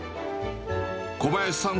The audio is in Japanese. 小林さん